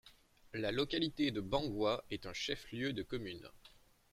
La localité de Bangoua est un chef-lieu de commune.